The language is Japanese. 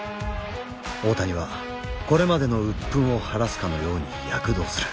大谷はこれまでの鬱憤を晴らすかのように躍動する。